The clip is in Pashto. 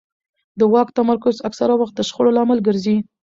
د واک تمرکز اکثره وخت د شخړو لامل ګرځي